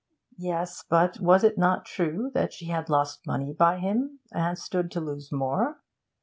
Yes, but was it not true that she had lost money by him and stood to lose more?